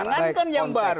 jangan kan yang baru